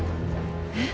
えっ！？